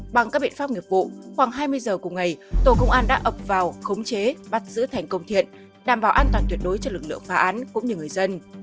bằng các biện pháp nghiệp vụ khoảng hai mươi giờ cùng ngày tổ công an đã ập vào khống chế bắt giữ thành công thiện đảm bảo an toàn tuyệt đối cho lực lượng phá án cũng như người dân